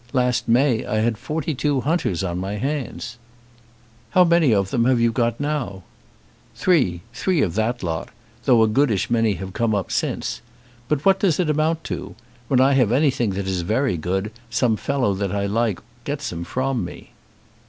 Last May I had forty two hunters on my hands." "How many of them have you got now?" "Three. Three of that lot, though a goodish many have come up since. But what does it amount to? When I have anything that is very good, some fellow that I like gets him from me."